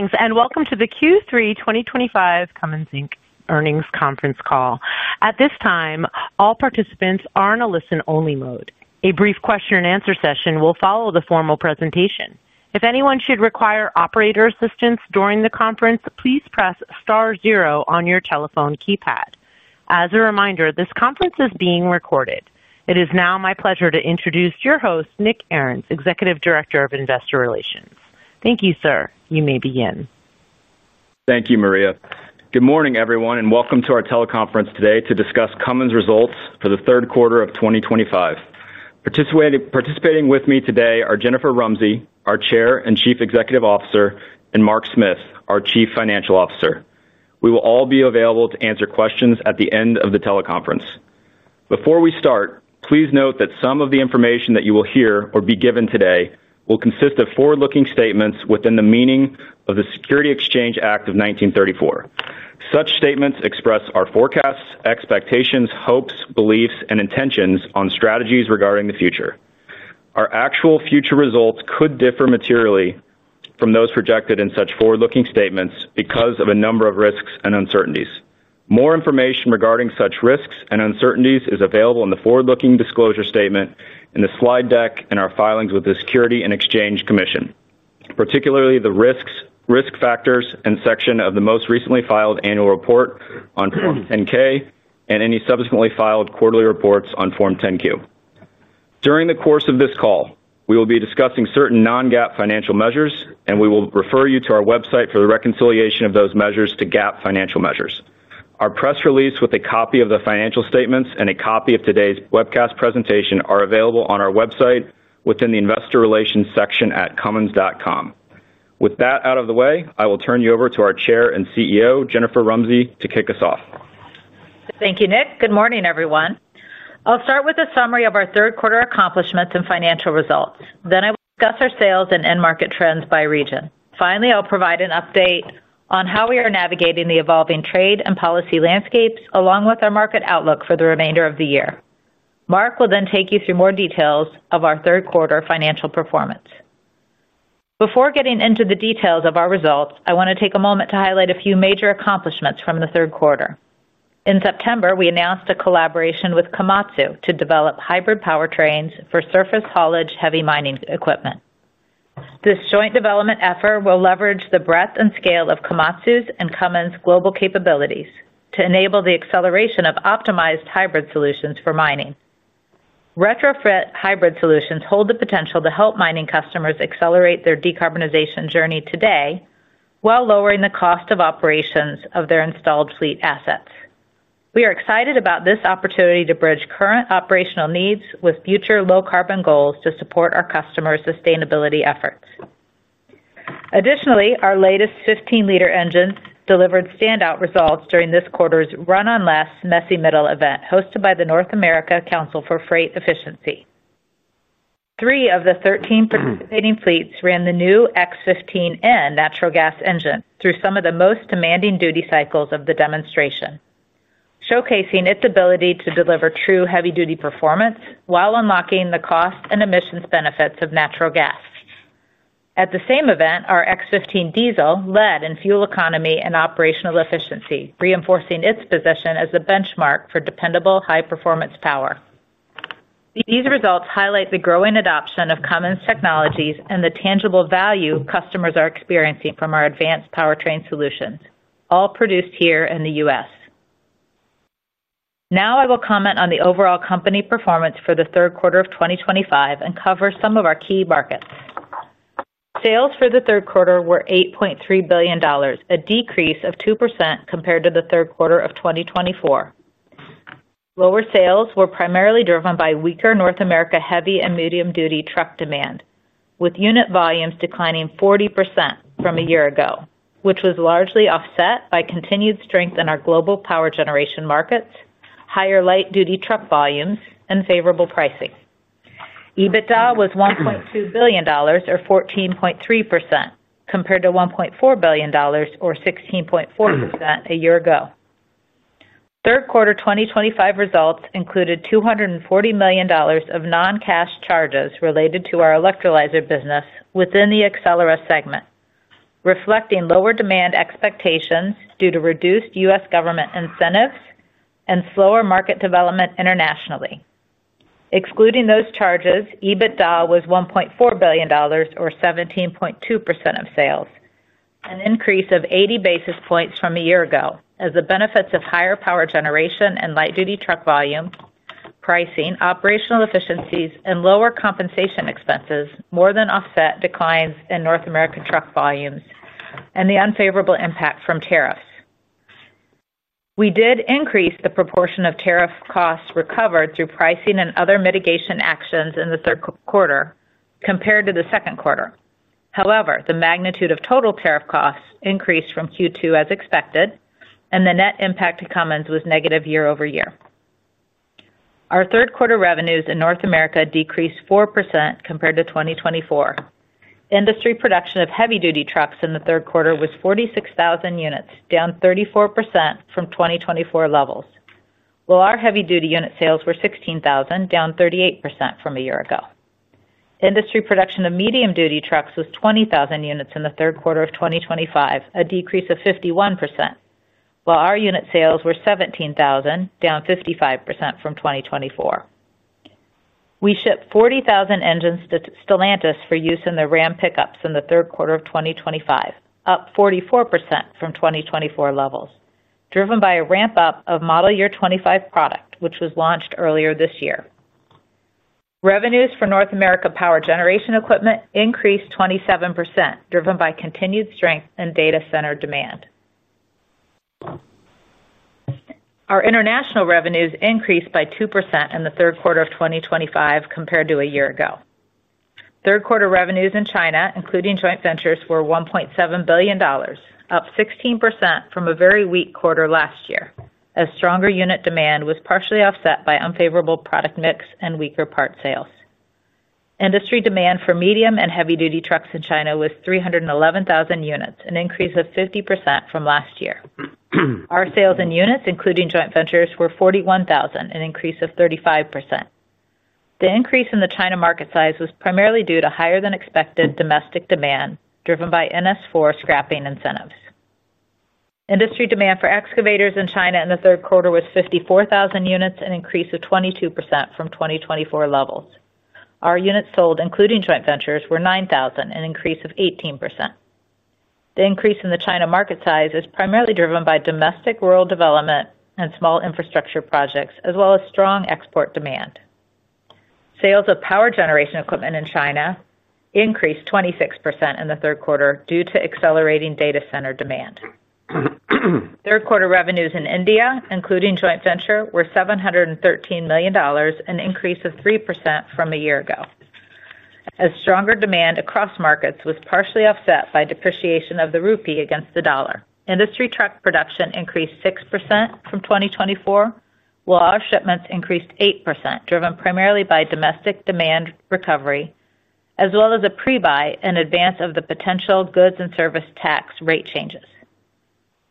Greetings and welcome to the Q3 2025 Cummins Earnings Conference call. At this time, all participants are in a listen-only mode. A brief question-and-answer session will follow the formal presentation. If anyone should require operator assistance during the conference, please press star zero on your telephone keypad. As a reminder, this conference is being recorded. It is now my pleasure to introduce your host, Nick Arens, Executive Director of Investor Relations. Thank you, sir. You may begin. Thank you, Maria. Good morning, everyone, and welcome to our teleconference today to discuss Cummins' results for the third quarter of 2025. Participating with me today are Jennifer Rumsey, our Chair and Chief Executive Officer, and Mark Smith, our Chief Financial Officer. We will all be available to answer questions at the end of the teleconference. Before we start, please note that some of the information that you will hear or be given today will consist of forward-looking statements within the meaning of the Securities Exchange Act of 1934. Such statements express our forecasts, expectations, hopes, beliefs, and intentions on strategies regarding the future. Our actual future results could differ materially from those projected in such forward-looking statements because of a number of risks and uncertainties. More information regarding such risks and uncertainties is available in the forward-looking disclosure statement, in the slide deck, and our filings with the Securities and Exchange Commission, particularly the risk factors and section of the most recently filed annual report on Form 10-K and any subsequently filed quarterly reports on Form 10-Q. During the course of this call, we will be discussing certain non-GAAP financial measures, and we will refer you to our website for the reconciliation of those measures to GAAP financial measures. Our press release with a copy of the financial statements and a copy of today's webcast presentation are available on our website within the Investor Relations section at cummins.com. With that out of the way, I will turn you over to our Chair and CEO, Jennifer Rumsey, to kick us off. Thank you, Nick. Good morning, everyone. I'll start with a summary of our third-quarter accomplishments and financial results. Then I will discuss our sales and end-market trends by region. Finally, I'll provide an update on how we are navigating the evolving trade and policy landscapes, along with our market outlook for the remainder of the year. Mark will then take you through more details of our third-quarter financial performance. Before getting into the details of our results, I want to take a moment to highlight a few major accomplishments from the third quarter. In September, we announced a collaboration with Komatsu to develop hybrid powertrains for surface haulage heavy mining equipment. This joint development effort will leverage the breadth and scale of Komatsu's and Cummins' global capabilities to enable the acceleration of optimized hybrid solutions for mining. Retrofit hybrid solutions hold the potential to help mining customers accelerate their decarbonization journey today while lowering the cost of operations of their installed fleet assets. We are excited about this opportunity to bridge current operational needs with future low-carbon goals to support our customers' sustainability efforts. Additionally, our latest 15-liter engine delivered standout results during this quarter's Run on Less Messy Middle event hosted by the North America Council for Freight Efficiency. Three of the 13 participating fleets ran the new X15N natural gas engine through some of the most demanding duty cycles of the demonstration, showcasing its ability to deliver true heavy-duty performance while unlocking the cost and emissions benefits of natural gas. At the same event, our X15 diesel led in fuel economy and operational efficiency, reinforcing its position as the benchmark for dependable high-performance power. These results highlight the growing adoption of Cummins technologies and the tangible value customers are experiencing from our advanced powertrain solutions, all produced here in the U.S. Now I will comment on the overall company performance for the third quarter of 2025 and cover some of our key markets. Sales for the third quarter were $8.3 billion, a decrease of 2% compared to the third quarter of 2024. Lower sales were primarily driven by weaker North America heavy and medium-duty truck demand, with unit volumes declining 40% from a year ago, which was largely offset by continued strength in our global power generation markets, higher light-duty truck volumes, and favorable pricing. EBITDA was $1.2 billion, or 14.3%, compared to $1.4 billion, or 16.4%, a year ago. Third quarter 2025 results included $240 million of non-cash charges related to our electrolyzer business within the Accelera segment, reflecting lower demand expectations due to reduced U.S. government incentives and slower market development internationally. Excluding those charges, EBITDA was $1.4 billion, or 17.2% of sales, an increase of 80 basis points from a year ago, as the benefits of higher power generation and light-duty truck volume, pricing, operational efficiencies, and lower compensation expenses more than offset declines in North American truck volumes and the unfavorable impact from tariffs. We did increase the proportion of tariff costs recovered through pricing and other mitigation actions in the third quarter compared to the second quarter. However, the magnitude of total tariff costs increased from Q2, as expected, and the net impact to Cummins was negative year-over-year. Our third-quarter revenues in North America decreased 4% compared to 2024. Industry production of heavy-duty trucks in the third quarter was 46,000 units, down 34% from 2024 levels, while our heavy-duty unit sales were 16,000, down 38% from a year ago. Industry production of medium-duty trucks was 20,000 units in the third quarter of 2025, a decrease of 51%, while our unit sales were 17,000, down 55% from 2024. We shipped 40,000 engines to Stellantis for use in the RAM pickups in the third quarter of 2025, up 44% from 2024 levels, driven by a ramp-up of model year 2025 product, which was launched earlier this year. Revenues for North America power generation equipment increased 27%, driven by continued strength and data-centered demand. Our international revenues increased by 2% in the third quarter of 2025 compared to a year ago. Third-quarter revenues in China, including joint ventures, were $1.7 billion, up 16% from a very weak quarter last year, as stronger unit demand was partially offset by unfavorable product mix and weaker part sales. Industry demand for medium and heavy-duty trucks in China was 311,000 units, an increase of 50% from last year. Our sales in units, including joint ventures, were 41,000, an increase of 35%. The increase in the China market size was primarily due to higher-than-expected domestic demand, driven by NS4 scrapping incentives. Industry demand for excavators in China in the third quarter was 54,000 units, an increase of 22% from 2024 levels. Our units sold, including joint ventures, were 9,000, an increase of 18%. The increase in the China market size is primarily driven by domestic rural development and small infrastructure projects, as well as strong export demand. Sales of power generation equipment in China increased 26% in the third quarter due to accelerating data-centered demand. Third-quarter revenues in India, including joint venture, were $713 million, an increase of 3% from a year ago. As stronger demand across markets was partially offset by depreciation of the rupee against the dollar, industry truck production increased 6% from 2024, while our shipments increased 8%, driven primarily by domestic demand recovery, as well as a pre-buy in advance of the potential goods and service tax rate changes.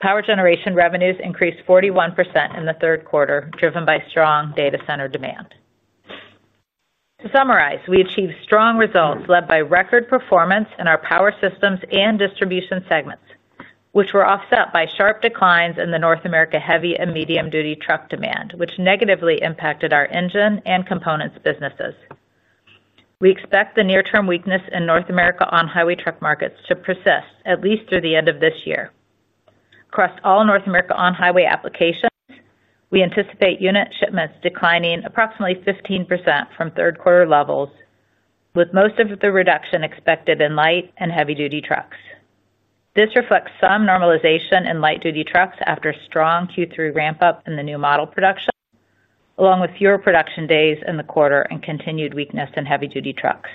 Power generation revenues increased 41% in the third quarter, driven by strong data-centered demand. To summarize, we achieved strong results led by record performance in our power systems and distribution segments, which were offset by sharp declines in the North America heavy and medium-duty truck demand, which negatively impacted our engine and components businesses. We expect the near-term weakness in North America on-highway truck markets to persist, at least through the end of this year. Across all North America on-highway applications, we anticipate unit shipments declining approximately 15% from third-quarter levels, with most of the reduction expected in light and heavy-duty trucks. This reflects some normalization in light-duty trucks after a strong Q3 ramp-up in the new model production, along with fewer production days in the quarter and continued weakness in heavy-duty trucks.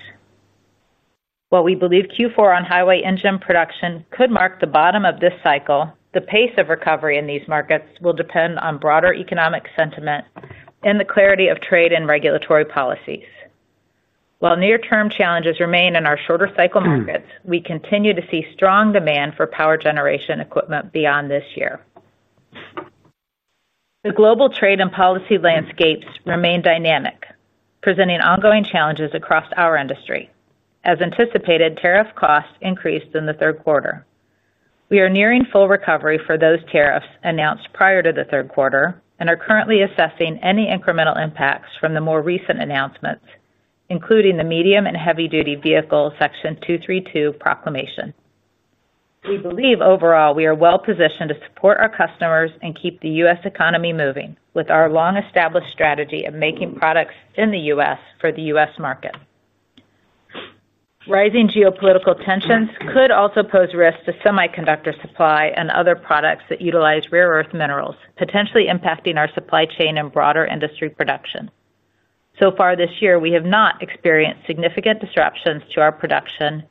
While we believe Q4 on-highway engine production could mark the bottom of this cycle, the pace of recovery in these markets will depend on broader economic sentiment and the clarity of trade and regulatory policies. While near-term challenges remain in our shorter-cycle markets, we continue to see strong demand for power generation equipment beyond this year. The global trade and policy landscapes remain dynamic, presenting ongoing challenges across our industry. As anticipated, tariff costs increased in the third quarter. We are nearing full recovery for those tariffs announced prior to the third quarter and are currently assessing any incremental impacts from the more recent announcements, including the medium and heavy-duty vehicle Section 232 proclamation. We believe overall we are well-positioned to support our customers and keep the U.S. economy moving with our long-established strategy of making products in the U.S. for the U.S. market. Rising geopolitical tensions could also pose risks to semiconductor supply and other products that utilize rare earth minerals, potentially impacting our supply chain and broader industry production. So far this year, we have not experienced significant disruptions to our production,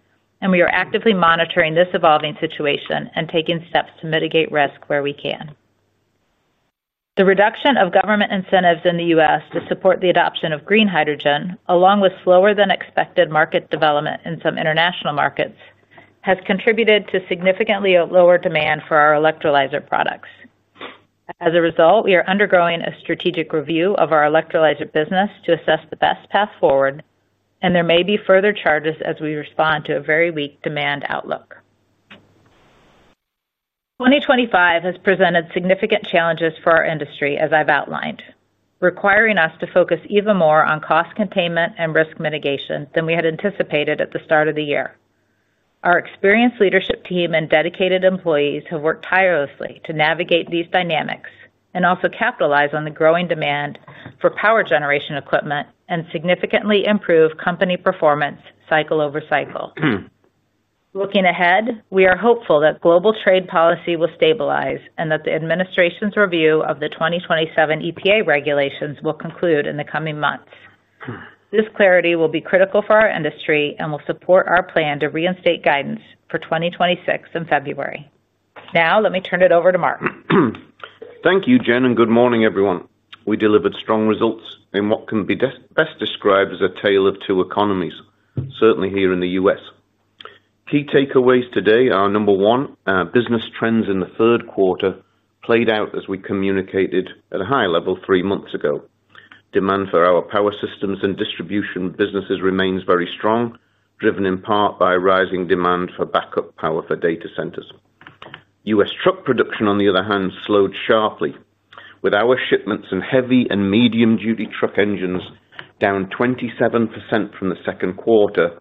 and we are actively monitoring this evolving situation and taking steps to mitigate risk where we can. The reduction of government incentives in the U.S. to support the adoption of green hydrogen, along with slower-than-expected market development in some international markets, has contributed to significantly lower demand for our electrolyzer products. As a result, we are undergoing a strategic review of our electrolyzer business to assess the best path forward, and there may be further charges as we respond to a very weak demand outlook. 2025 has presented significant challenges for our industry, as I've outlined, requiring us to focus even more on cost containment and risk mitigation than we had anticipated at the start of the year. Our experienced leadership team and dedicated employees have worked tirelessly to navigate these dynamics and also capitalize on the growing demand for power generation equipment and significantly improve company performance cycle over cycle. Looking ahead, we are hopeful that global trade policy will stabilize and that the administration's review of the 2027 EPA regulations will conclude in the coming months. This clarity will be critical for our industry and will support our plan to reinstate guidance for 2026 in February. Now, let me turn it over to Mark. Thank you, Jen, and good morning, everyone. We delivered strong results in what can be best described as a tale of two economies, certainly here in the U.S. Key takeaways today are, number one, business trends in the third quarter played out as we communicated at a high level three months ago. Demand for our power systems and distribution businesses remains very strong, driven in part by rising demand for backup power for data centers. U.S. truck production, on the other hand, slowed sharply, with our shipments in heavy and medium-duty truck engines down 27% from the second quarter,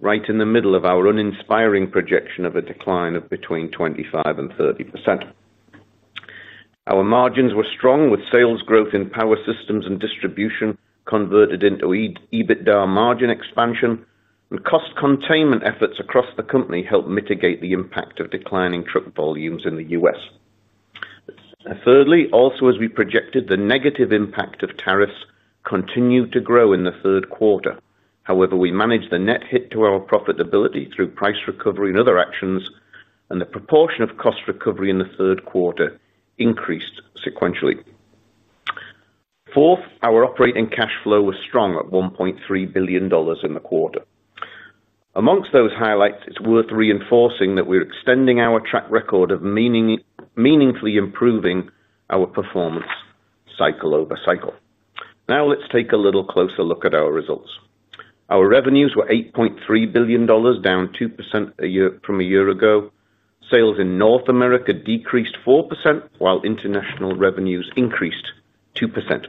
right in the middle of our uninspiring projection of a decline of between 25% and 30%. Our margins were strong, with sales growth in power systems and distribution converted into EBITDA margin expansion, and cost containment efforts across the company helped mitigate the impact of declining truck volumes in the U.S. Thirdly, also, as we projected, the negative impact of tariffs continued to grow in the third quarter. However, we managed the net hit to our profitability through price recovery and other actions, and the proportion of cost recovery in the third quarter increased sequentially. Fourth, our operating cash flow was strong at $1.3 billion in the quarter. Amongst those highlights, it's worth reinforcing that we're extending our track record of meaningfully improving our performance cycle over cycle. Now, let's take a little closer look at our results. Our revenues were $8.3 billion, down 2% from a year ago. Sales in North America decreased 4%, while international revenues increased 2%.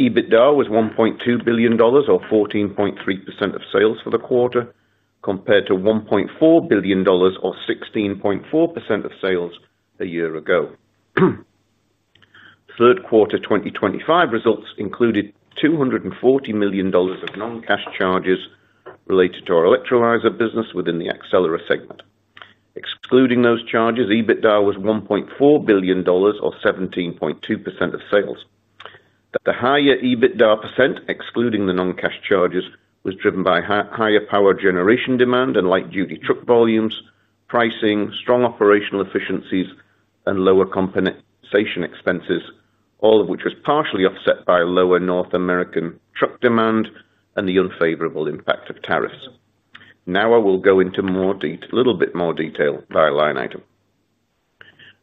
EBITDA was $1.2 billion, or 14.3% of sales for the quarter, compared to $1.4 billion, or 16.4% of sales a year ago. Third quarter 2025 results included $240 million of non-cash charges related to our electrolyzer business within the Accelera segment. Excluding those charges, EBITDA was $1.4 billion, or 17.2% of sales. The higher EBITDA %, excluding the non-cash charges, was driven by higher power generation demand and light-duty truck volumes, pricing, strong operational efficiencies, and lower compensation expenses, all of which was partially offset by lower North American truck demand and the unfavorable impact of tariffs. Now, I will go into a little bit more detail by line item.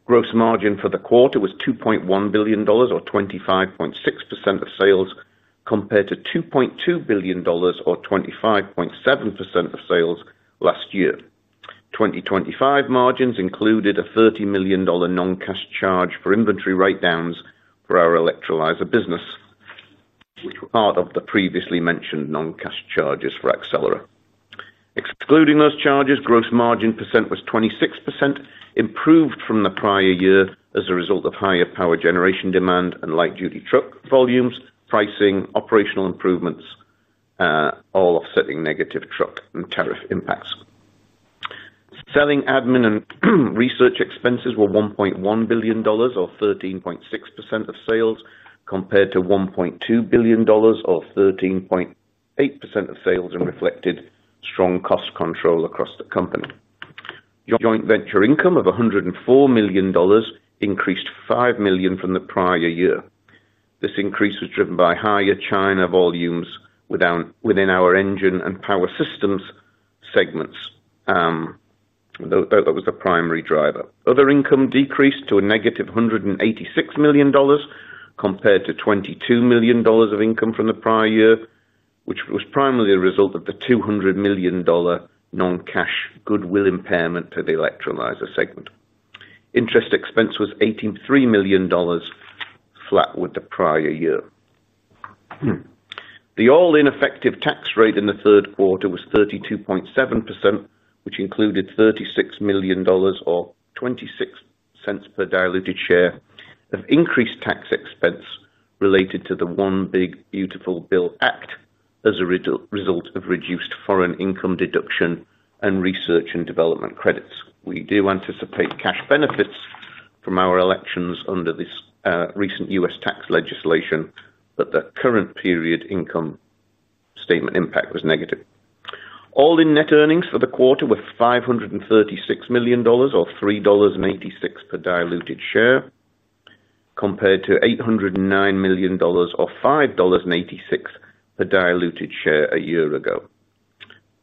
Gross margin for the quarter was $2.1 billion, or 25.6% of sales, compared to $2.2 billion, or 25.7% of sales last year. 2025 margins included a $30 million non-cash charge for inventory write-downs for our electrolyzer business, which were part of the previously mentioned non-cash charges for Accelera. Excluding those charges, gross margin percent was 26%, improved from the prior year as a result of higher power generation demand and light-duty truck volumes, pricing, operational improvements, all offsetting negative truck and tariff impacts. Selling, admin, and research expenses were $1.1 billion, or 13.6% of sales, compared to $1.2 billion, or 13.8% of sales, and reflected strong cost control across the company. Joint venture income of $104 million increased $5 million from the prior year. This increase was driven by higher China volumes within our engine and power systems segments. That was the primary driver. Other income decreased to a negative $186 million. Compared to $22 million of income from the prior year, which was primarily a result of the $200 million non-cash goodwill impairment to the electrolyzer segment. Interest expense was $83 million. Flat with the prior year. The all-in effective tax rate in the third quarter was 32.7%, which included $36 million, or $0.26 per diluted share, of increased tax expense related to the One Big Beautiful Bill Act as a result of reduced foreign income deduction and research and development credits. We do anticipate cash benefits from our elections under this recent U.S. tax legislation, but the current period income statement impact was negative. All-in net earnings for the quarter were $536 million, or $3.86 per diluted share, compared to $809 million, or $5.86 per diluted share a year ago.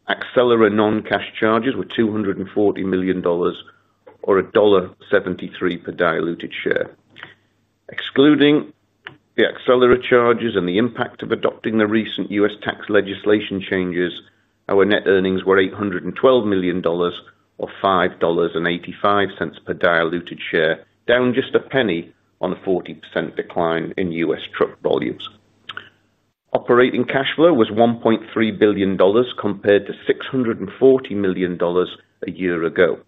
Accelera non-cash charges were $240 million, or $1.73 per diluted share. Excluding the Accelera charges and the impact of adopting the recent U.S. tax legislation changes, our net earnings were $812 million, or $5.85 per diluted share, down just a penny on the 40% decline in U.S. truck volumes. Operating cash flow was $1.3 billion, compared to $640 million a year ago.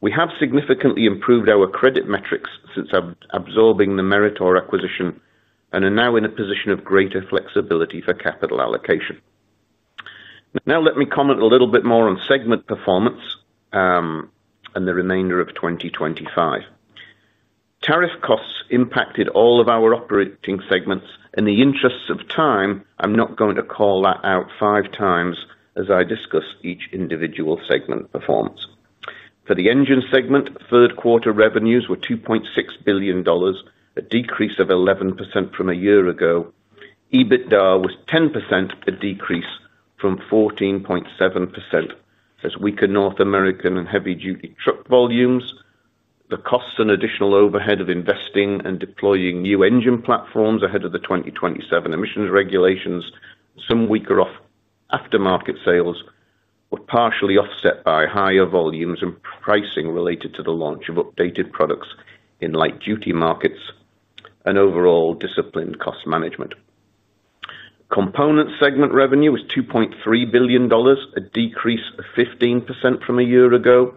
We have significantly improved our credit metrics since absorbing the Meritor acquisition and are now in a position of greater flexibility for capital allocation. Now, let me comment a little bit more on segment performance. For the remainder of 2025, tariff costs impacted all of our operating segments. In the interests of time, I am not going to call that out five times as I discuss each individual segment performance. For the engine segment, third quarter revenues were $2.6 billion, a decrease of 11% from a year ago. EBITDA was 10%, a decrease from 14.7%, as weaker North American and heavy-duty truck volumes. The costs and additional overhead of investing and deploying new engine platforms ahead of the 2027 emissions regulations, some weaker aftermarket sales, were partially offset by higher volumes and pricing related to the launch of updated products in light-duty markets and overall disciplined cost management. Component segment revenue was $2.3 billion, a decrease of 15% from a year ago.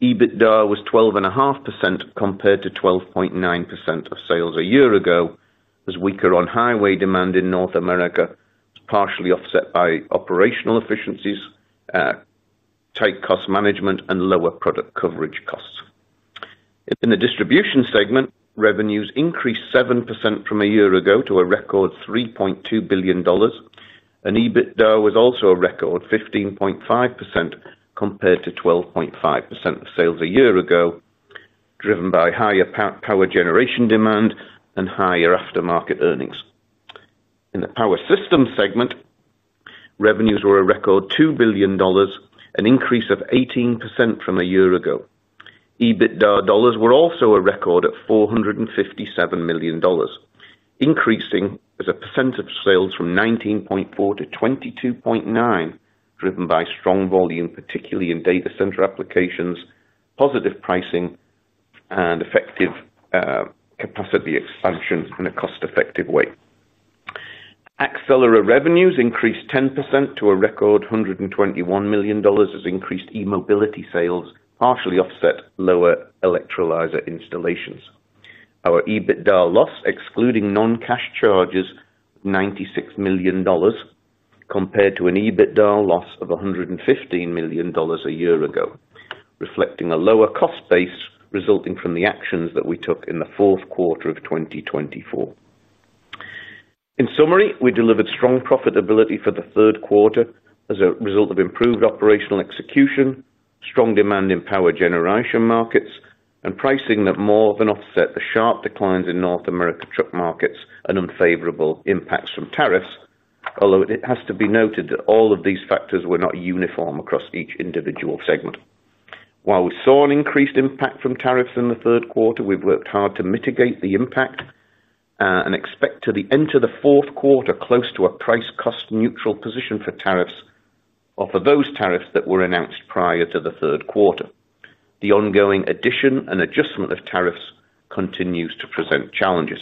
EBITDA was 12.5% compared to 12.9% of sales a year ago, as weaker on-highway demand in North America was partially offset by operational efficiencies, tight cost management, and lower product coverage costs. In the distribution segment, revenues increased 7% from a year ago to a record $3.2 billion. EBITDA was also a record 15.5% compared to 12.5% of sales a year ago, driven by higher power generation demand and higher aftermarket earnings. In the power systems segment. Revenues were a record $2 billion, an increase of 18% from a year ago. EBITDA dollars were also a record at $457 million, increasing as a percent of sales from 19.4% to 22.9%, driven by strong volume, particularly in data center applications, positive pricing, and effective capacity expansion in a cost-effective way. Accelera revenues increased 10% to a record $121 million, as increased e-mobility sales partially offset lower electrolyzer installations. Our EBITDA loss, excluding non-cash charges, was $96 million, compared to an EBITDA loss of $115 million a year ago, reflecting a lower cost base resulting from the actions that we took in the fourth quarter of 2024. In summary, we delivered strong profitability for the third quarter as a result of improved operational execution, strong demand in power generation markets, and pricing that more than offset the sharp declines in North America truck markets and unfavorable impacts from tariffs. Although it has to be noted that all of these factors were not uniform across each individual segment. While we saw an increased impact from tariffs in the third quarter, we've worked hard to mitigate the impact. We expect to enter the fourth quarter close to a price-cost-neutral position for tariffs or for those tariffs that were announced prior to the third quarter. The ongoing addition and adjustment of tariffs continues to present challenges.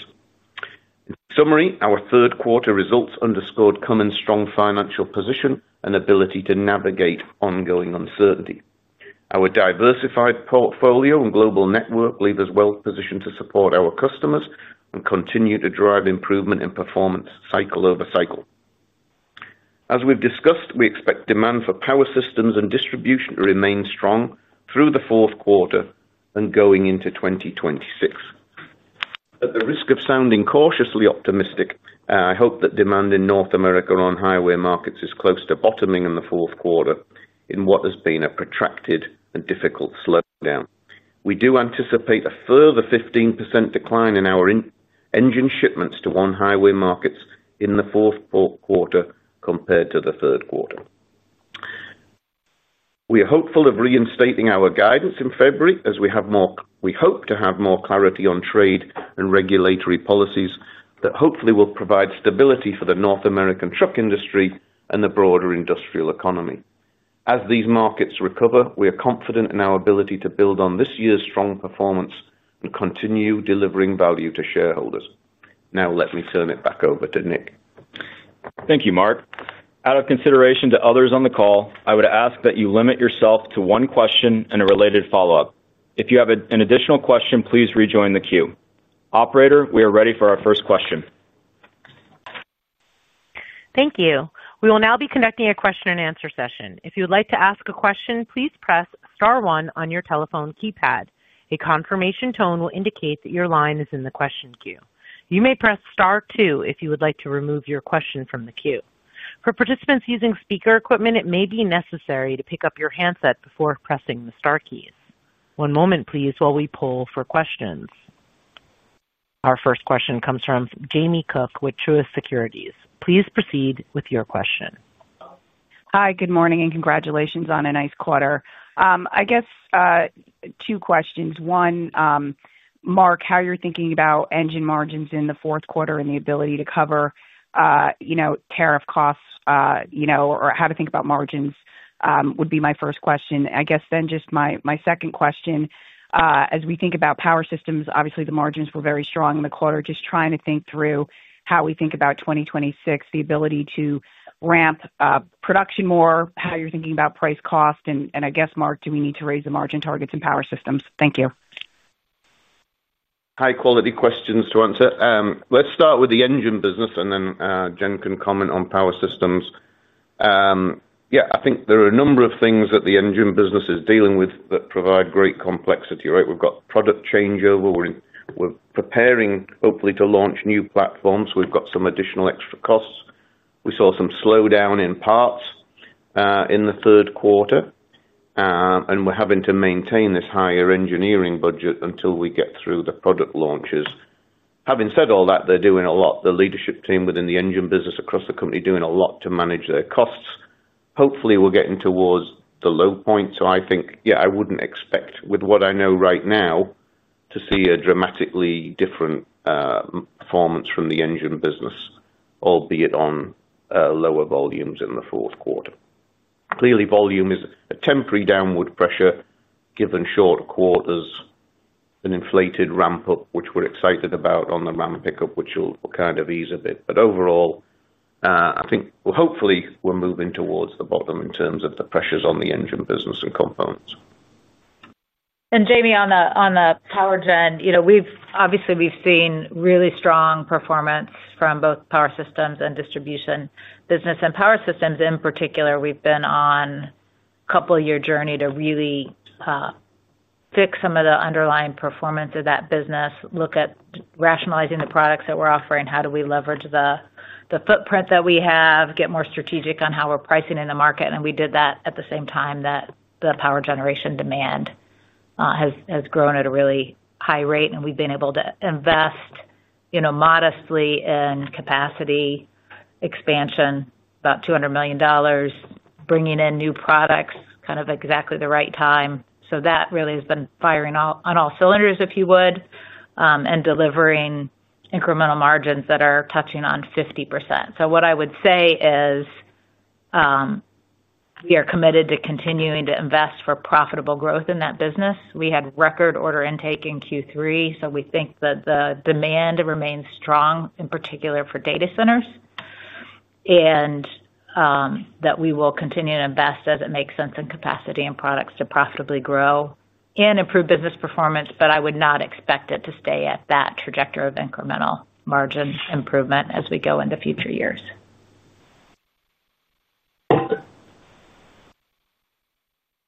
In summary, our third quarter results underscored Cummins' strong financial position and ability to navigate ongoing uncertainty. Our diversified portfolio and global network leave us well positioned to support our customers and continue to drive improvement in performance cycle over cycle. As we've discussed, we expect demand for power systems and distribution to remain strong through the fourth quarter and going into 2026. At the risk of sounding cautiously optimistic, I hope that demand in North America on-highway markets is close to bottoming in the fourth quarter in what has been a protracted and difficult slowdown. We do anticipate a further 15% decline in our engine shipments to on-highway markets in the fourth quarter compared to the third quarter. We are hopeful of reinstating our guidance in February as we hope to have more clarity on trade and regulatory policies that hopefully will provide stability for the North American truck industry and the broader industrial economy. As these markets recover, we are confident in our ability to build on this year's strong performance and continue delivering value to shareholders. Now, let me turn it back over to Nick. Thank you, Mark. Out of consideration to others on the call, I would ask that you limit yourself to one question and a related follow-up. If you have an additional question, please rejoin the queue. Operator, we are ready for our first question. Thank you. We will now be conducting a question-and-answer session. If you would like to ask a question, please press star one on your telephone keypad. A confirmation tone will indicate that your line is in the question queue. You may press star two if you would like to remove your question from the queue. For participants using speaker equipment, it may be necessary to pick up your handset before pressing the Star keys. One moment, please, while we pull for questions. Our first question comes from Jamie Cook with Truist Securities. Please proceed with your question. Hi, good morning, and congratulations on a nice quarter. I guess two questions. One, Mark, how you're thinking about engine margins in the fourth quarter and the ability to cover tariff costs, or how to think about margins would be my first question. I guess then just my second question, as we think about power systems, obviously the margins were very strong in the quarter. Just trying to think through how we think about 2026, the ability to ramp production more, how you're thinking about price cost. I guess, Mark, do we need to raise the margin targets in power systems? Thank you. High-quality questions to answer. Let's start with the engine business, and then Jen can comment on power systems. Yeah, I think there are a number of things that the engine business is dealing with that provide great complexity, right? We've got product changeover. We're preparing, hopefully, to launch new platforms. We've got some additional extra costs. We saw some slowdown in parts in the third quarter. And we're having to maintain this higher engineering budget until we get through the product launches. Having said all that, they're doing a lot. The leadership team within the engine business across the company is doing a lot to manage their costs. Hopefully, we're getting towards the low point. So I think, yeah, I wouldn't expect, with what I know right now, to see a dramatically different performance from the engine business, albeit on lower volumes in the fourth quarter. Clearly, volume is a temporary downward pressure given short quarters. An inflated ramp-up, which we're excited about on the ramp pickup, which will kind of ease a bit. Overall, I think, hopefully, we're moving towards the bottom in terms of the pressures on the engine business and components. Jamie, on the power gen, obviously, we've seen really strong performance from both power systems and distribution business. Power systems, in particular, we've been on a couple-year journey to really fix some of the underlying performance of that business, look at rationalizing the products that we're offering, how do we leverage the footprint that we have, get more strategic on how we're pricing in the market. We did that at the same time that the power generation demand has grown at a really high rate. We've been able to invest modestly in capacity expansion, about $200 million, bringing in new products kind of exactly the right time. That really has been firing on all cylinders, if you would, and delivering incremental margins that are touching on 50%. What I would say is. We are committed to continuing to invest for profitable growth in that business. We had record order intake in Q3, so we think that the demand remains strong, in particular for data centers. That we will continue to invest as it makes sense in capacity and products to profitably grow and improve business performance. I would not expect it to stay at that trajectory of incremental margin improvement as we go into future years.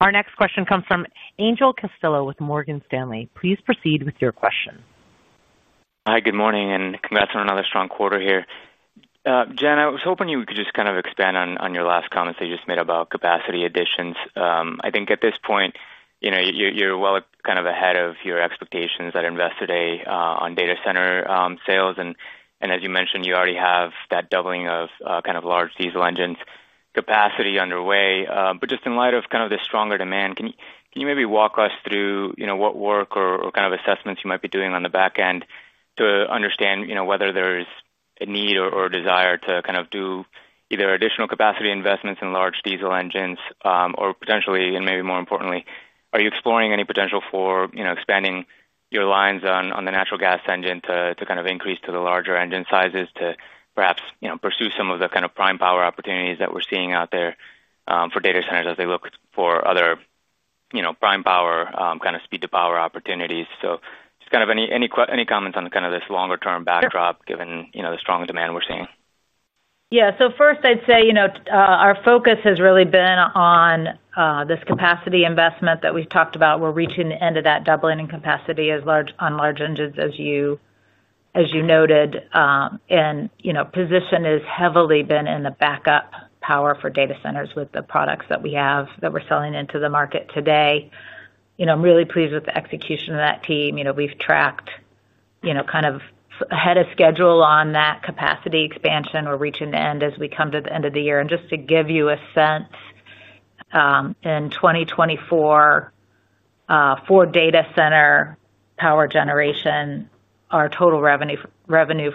Our next question comes from Angel Castillo with Morgan Stanley. Please proceed with your question. Hi, good morning, and congrats on another strong quarter here. Jen, I was hoping you could just kind of expand on your last comments that you just made about capacity additions. I think at this point you're well kind of ahead of your expectations at Investor Day on data center sales. And as you mentioned, you already have that doubling of kind of large diesel engines capacity underway. Just in light of kind of the stronger demand, can you maybe walk us through what work or kind of assessments you might be doing on the back end to understand whether there's a need or desire to kind of do either additional capacity investments in large diesel engines or potentially, and maybe more importantly, are you exploring any potential for expanding your lines on the natural gas engine to kind of increase to the larger engine sizes to perhaps pursue some of the kind of prime power opportunities that we're seeing out there for data centers as they look for other prime power kind of speed-to-power opportunities? Just kind of any comments on kind of this longer-term backdrop given the strong demand we're seeing? Yeah. First, I'd say our focus has really been on this capacity investment that we've talked about. We're reaching the end of that doubling in capacity on large engines, as you noted. Position has heavily been in the backup power for data centers with the products that we have that we're selling into the market today. I'm really pleased with the execution of that team. We've tracked kind of ahead of schedule on that capacity expansion. We're reaching the end as we come to the end of the year. Just to give you a sense, in 2024, for data center power generation, our total revenue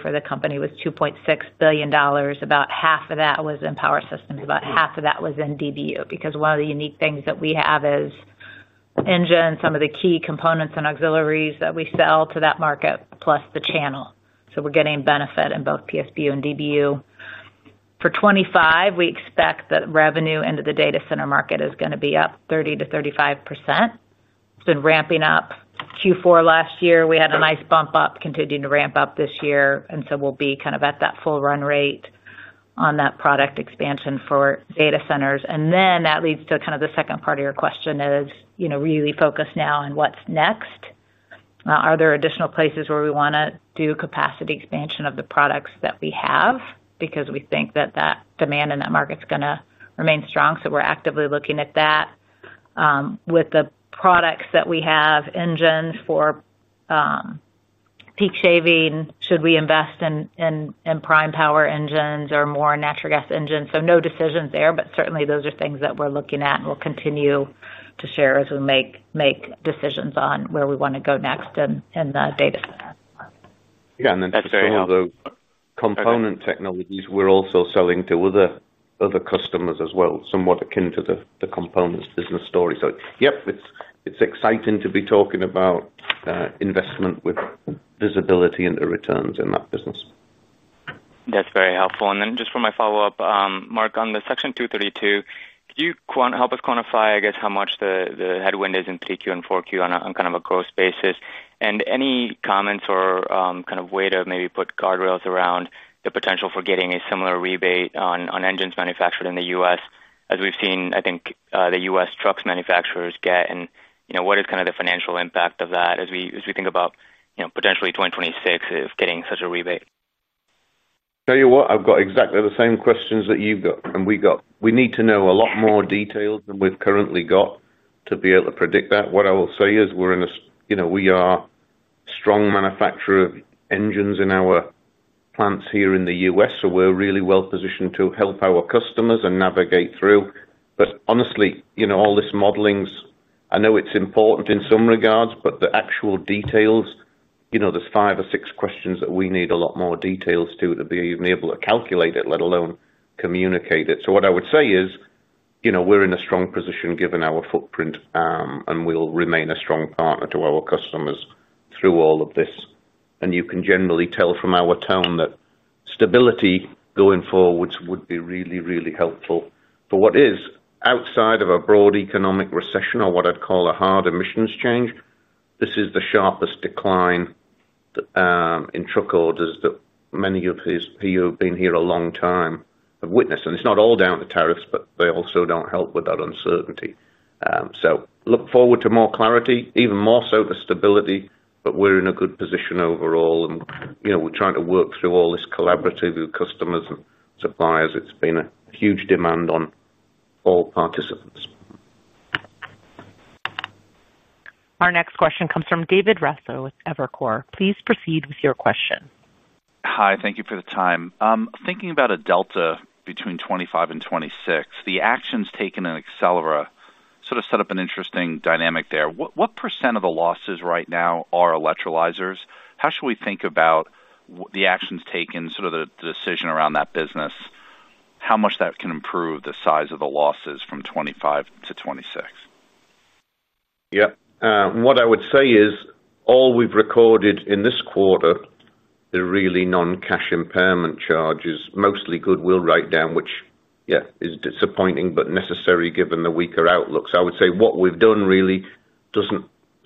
for the company was $2.6 billion. About half of that was in power systems. About half of that was in DBU because one of the unique things that we have is. Engine, some of the key components and auxiliaries that we sell to that market, plus the channel. We are getting benefit in both PSBU and DBU. For 2025, we expect that revenue into the data center market is going to be up 30-35%. It has been ramping up. Q4 last year, we had a nice bump up, continuing to ramp up this year. We will be kind of at that full run rate on that product expansion for data centers. That leads to the second part of your question, which is really focused now on what is next. Are there additional places where we want to do capacity expansion of the products that we have because we think that demand in that market is going to remain strong? We are actively looking at that. With the products that we have, engines for. Peak shaving, should we invest in prime power engines or more natural gas engines? No decisions there, but certainly those are things that we're looking at and we'll continue to share as we make decisions on where we want to go next in the data center. Yeah. And then saying all those component technologies, we're also selling to other customers as well, somewhat akin to the components business story. Yep, it's exciting to be talking about. Investment with visibility into returns in that business. That's very helpful. For my follow-up, Mark, on the Section 232, could you help us quantify, I guess, how much the headwind is in Q3 and Q4 on kind of a gross basis? Any comments or kind of way to maybe put guardrails around the potential for getting a similar rebate on engines manufactured in the U.S. as we've seen, I think, the U.S. truck manufacturers get? What is kind of the financial impact of that as we think about potentially 2026 of getting such a rebate? Tell you what, I've got exactly the same questions that you've got and we've got. We need to know a lot more details than we've currently got to be able to predict that. What I will say is we're in a we are a strong manufacturer of engines in our plants here in the U.S., so we're really well positioned to help our customers and navigate through. Honestly, all this modeling, I know it's important in some regards, but the actual details, there's five or six questions that we need a lot more details to be able to calculate it, let alone communicate it. What I would say is we're in a strong position given our footprint, and we'll remain a strong partner to our customers through all of this. You can generally tell from our tone that stability going forwards would be really, really helpful. Outside of a broad economic recession or what I'd call a hard emissions change, this is the sharpest decline in truck orders that many of you who have been here a long time have witnessed. It is not all down to tariffs, but they also do not help with that uncertainty. I look forward to more clarity, even more so the stability, but we are in a good position overall. We are trying to work through all this collaboratively with customers and suppliers. It has been a huge demand on all participants. Our next question comes from David Raso with Evercore ISI. Please proceed with your question. Hi, thank you for the time. Thinking about a delta between '2025 and '2026, the actions taken in Accelera sort of set up an interesting dynamic there. What % of the losses right now are electrolyzers? How should we think about the actions taken, sort of the decision around that business? How much that can improve the size of the losses from '2025-'2026? Yeah. What I would say is all we've recorded in this quarter are really non-cash impairment charges, mostly goodwill write-down, which, yeah, is disappointing but necessary given the weaker outlook. I would say what we've done really does not,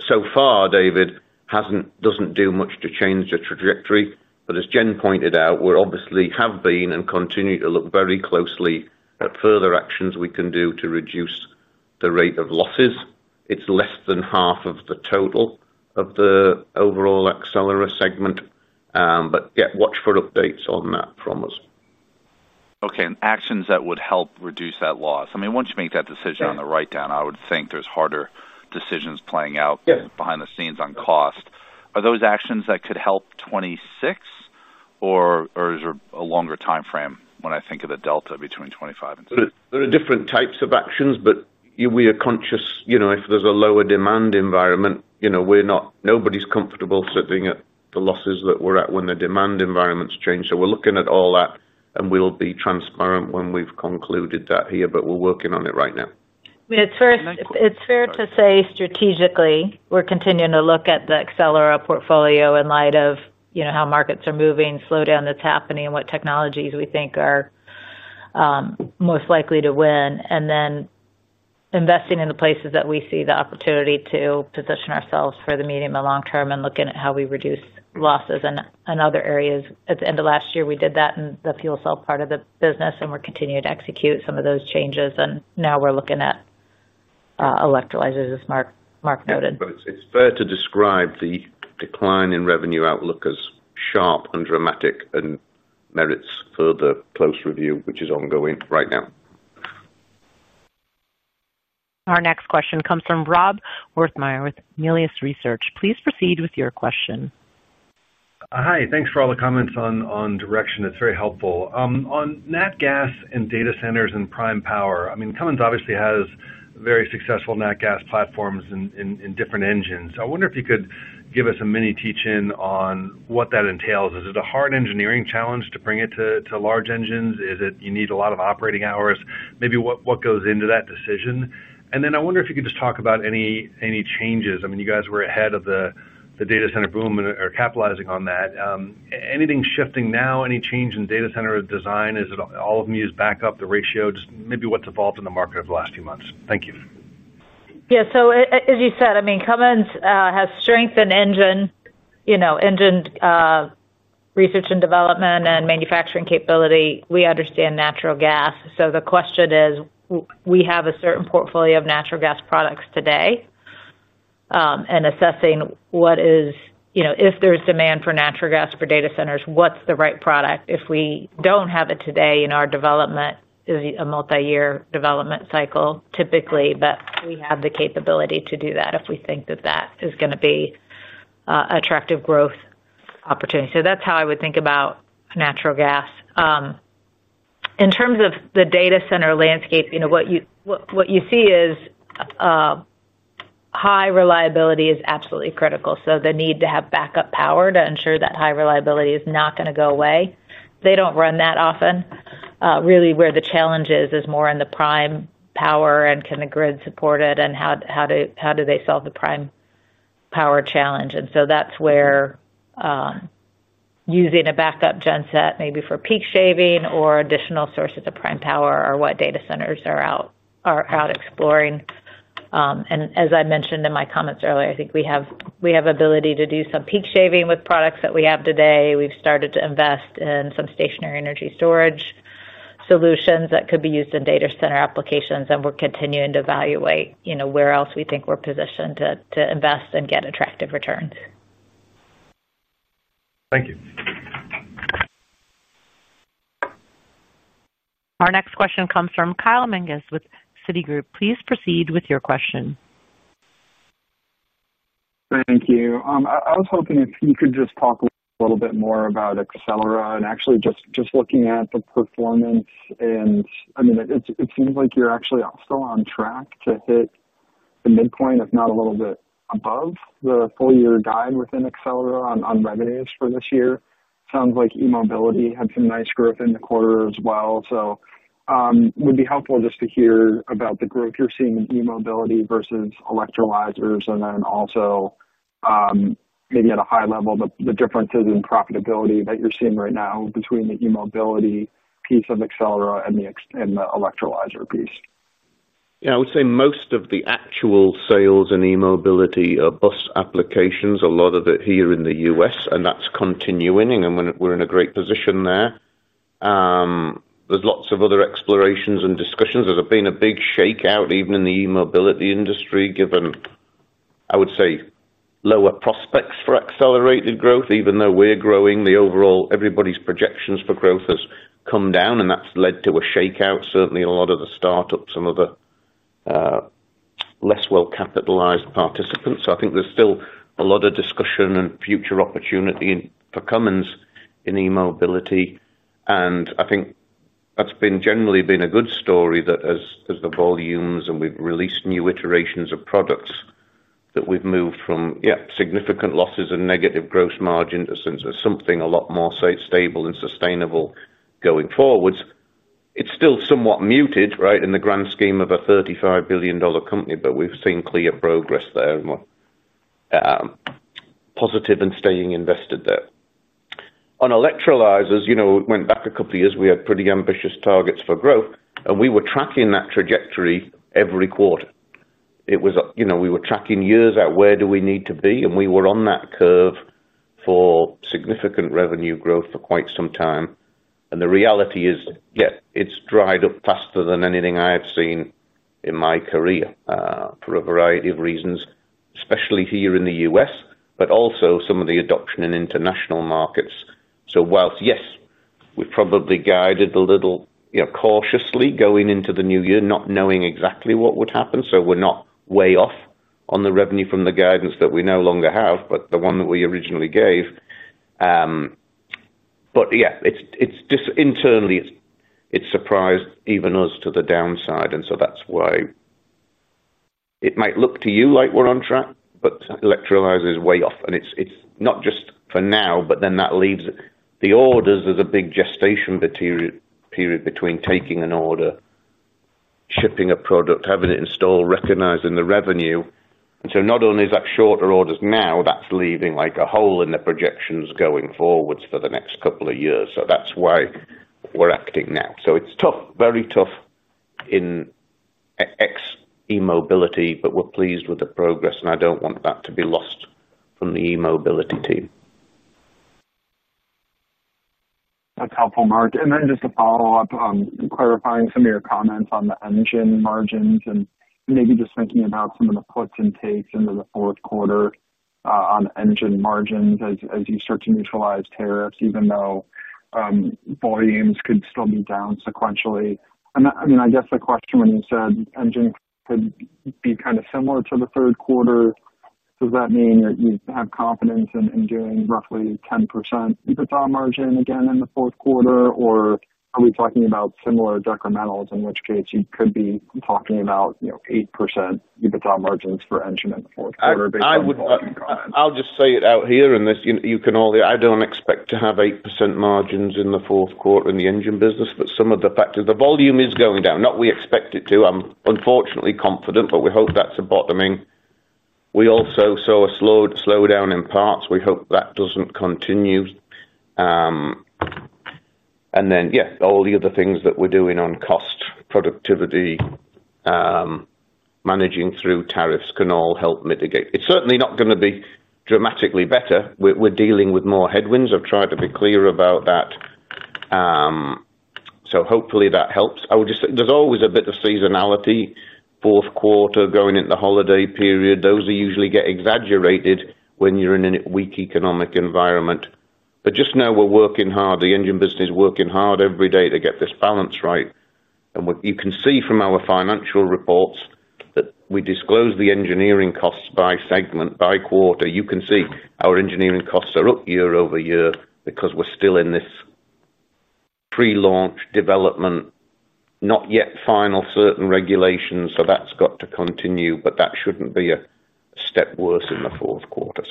so far, David, does not do much to change the trajectory. As Jen pointed out, we obviously have been and continue to look very closely at further actions we can do to reduce the rate of losses. It is less than half of the total of the overall Accelera segment. Yeah, watch for updates on that from us. Okay. And actions that would help reduce that loss. I mean, once you make that decision on the write-down, I would think there's harder decisions playing out behind the scenes on cost. Are those actions that could help '2026, or is there a longer timeframe when I think of the delta between '25 and '2026? There are different types of actions, but we are conscious if there's a lower demand environment, nobody's comfortable sitting at the losses that we're at when the demand environment's changed. We are looking at all that, and we'll be transparent when we've concluded that here, but we're working on it right now. It's fair to say strategically, we're continuing to look at the Accelera portfolio in light of how markets are moving, slowdown that's happening, what technologies we think are most likely to win, and then investing in the places that we see the opportunity to position ourselves for the medium and long term and looking at how we reduce losses in other areas. At the end of last year, we did that in the fuel cell part of the business, and we're continuing to execute some of those changes. Now we're looking at electrolyzers, as Mark noted. It is fair to describe the decline in revenue outlook as sharp and dramatic and merits further close review, which is ongoing right now. Our next question comes from Rob Wertheimer with Melius Research. Please proceed with your question. Hi. Thanks for all the comments on direction. It's very helpful. On NatGas and data centers and prime power, I mean, Cummins obviously has very successful NatGas platforms in different engines. I wonder if you could give us a mini teach-in on what that entails. Is it a hard engineering challenge to bring it to large engines? Is it you need a lot of operating hours? Maybe what goes into that decision? I wonder if you could just talk about any changes. I mean, you guys were ahead of the data center boom or capitalizing on that. Anything shifting now? Any change in data center design? Is it all of them used backup, the ratio? Just maybe what's evolved in the market over the last few months? Thank you. Yeah. As you said, I mean, Cummins has strength in engine research and development and manufacturing capability. We understand natural gas. The question is, we have a certain portfolio of natural gas products today. Assessing what is, if there is demand for natural gas for data centers, what is the right product? If we do not have it today in our development, it is a multi-year development cycle typically, but we have the capability to do that if we think that that is going to be an attractive growth opportunity. That is how I would think about natural gas. In terms of the data center landscape, what you see is high reliability is absolutely critical. The need to have backup power to ensure that high reliability is not going to go away. They do not run that often. Really, where the challenge is, is more in the prime power and can the grid support it and how do they solve the prime power challenge. That is where using a backup genset maybe for peak shaving or additional sources of prime power are what data centers are out exploring. As I mentioned in my comments earlier, I think we have ability to do some peak shaving with products that we have today. We've started to invest in some stationary energy storage solutions that could be used in data center applications, and we're continuing to evaluate where else we think we're positioned to invest and get attractive returns. Thank you. Our next question comes from Kyle Menges with Citigroup. Please proceed with your question. Thank you. I was hoping if you could just talk a little bit more about Accelera and actually just looking at the performance. I mean, it seems like you're actually still on track to hit the midpoint, if not a little bit above the full-year guide within Accelera on revenues for this year. Sounds like e-mobility had some nice growth in the quarter as well. It would be helpful just to hear about the growth you're seeing in e-mobility versus electrolyzers and then also maybe at a high level, the differences in profitability that you're seeing right now between the e-mobility piece of Accelera and the electrolyzer piece. Yeah. I would say most of the actual sales in e-mobility are bus applications, a lot of it here in the U.S., and that's continuing. We're in a great position there. There's lots of other explorations and discussions. There's been a big shakeout even in the e-mobility industry given, I would say, lower prospects for accelerated growth, even though we're growing. Everybody's projections for growth have come down, and that's led to a shakeout, certainly in a lot of the startups and other less well-capitalized participants. I think there's still a lot of discussion and future opportunity for Cummins in e-mobility. I think that's generally been a good story that as the volumes and we've released new iterations of products that we've moved from, yeah, significant losses and negative gross margin to something a lot more stable and sustainable going forwards. It's still somewhat muted, right, in the grand scheme of a $35 billion company, but we've seen clear progress there. Positive and staying invested there. On electrolyzers, it went back a couple of years. We had pretty ambitious targets for growth, and we were tracking that trajectory every quarter. We were tracking years out where do we need to be, and we were on that curve for significant revenue growth for quite some time. The reality is, yeah, it's dried up faster than anything I have seen in my career for a variety of reasons, especially here in the U.S., but also some of the adoption in international markets. Whilst, yes, we've probably guided a little cautiously going into the new year, not knowing exactly what would happen. We're not way off on the revenue from the guidance that we no longer have, but the one that we originally gave. Yeah, internally, it's surprised even us to the downside. That's why. It might look to you like we're on track, but electrolyzer is way off. It's not just for now, but then that leaves the orders as a big gestation period between taking an order, shipping a product, having it installed, recognizing the revenue. Not only is that shorter orders now, that's leaving a hole in the projections going forwards for the next couple of years. That's why we're acting now. It's tough, very tough. In ex e-mobility, but we're pleased with the progress, and I don't want that to be lost from the e-mobility team. That's helpful, Mark. And then just to follow up on clarifying some of your comments on the engine margins and maybe just thinking about some of the puts and takes into the fourth quarter on engine margins as you start to neutralize tariffs, even though volumes could still be down sequentially. I mean, I guess the question when you said engine could be kind of similar to the third quarter, does that mean you have confidence in doing roughly 10% EBITDA margin again in the fourth quarter, or are we talking about similar decrementals, in which case you could be talking about 8% EBITDA margins for engine in the fourth quarter based on your comments? I'll just say it out here and you can all hear. I don't expect to have 8% margins in the fourth quarter in the engine business, but some of the factors, the volume is going down. Not we expect it to. I'm unfortunately confident, but we hope that's a bottoming. We also saw a slowdown in parts. We hope that doesn't continue. Yeah, all the other things that we're doing on cost, productivity. Managing through tariffs can all help mitigate. It's certainly not going to be dramatically better. We're dealing with more headwinds. I've tried to be clear about that. Hopefully that helps. There's always a bit of seasonality. Fourth quarter going into the holiday period. Those usually get exaggerated when you're in a weak economic environment. Just know we're working hard. The engine business is working hard every day to get this balance right. You can see from our financial reports that we disclose the engineering costs by segment, by quarter. You can see our engineering costs are up year-over-year because we're still in this pre-launch development. Not yet final certain regulations, so that's got to continue, but that shouldn't be a step worse in the fourth quarter.